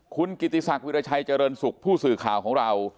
คุณกิติศักดิราชัยเจริญสุขผู้สื่อข่าวของเรา